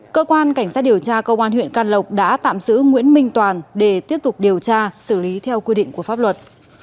cơ quan cảnh sát điều tra công an huyện can lộc đã tạm giữ nguyễn minh toàn để tiếp tục điều tra xử lý theo quy định của pháp luật